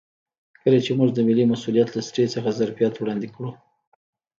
کله چې موږ د ملي مسوولیت له سټیج څخه ظرفیت وړاندې کړو.